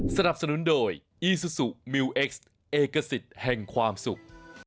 สนับสนุนโดยอีซูซูมิวเอ็กซ์เอกสิทธิ์แห่งความสุข